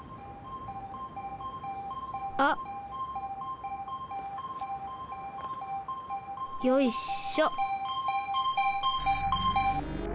あっ。よいしょ。